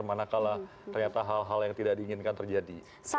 manakala ternyata hal hal yang tidak diinginkan terjadi